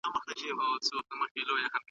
خلګ د شخصي ملکیت په اړه بحث کوي.